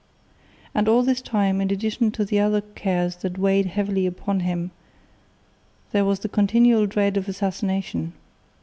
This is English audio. And all this time, in addition to the other cares that weighed heavily upon him, there was the continual dread of assassination.